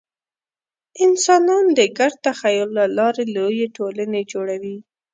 انسانان د ګډ تخیل له لارې لویې ټولنې جوړوي.